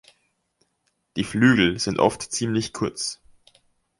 Die Flügel sind oft ziemlich kurz.